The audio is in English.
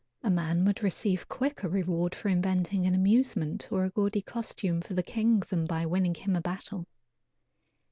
A man would receive quicker reward for inventing an amusement or a gaudy costume for the king than by winning him a battle.